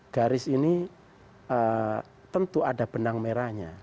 garis ini tentu ada benang merahnya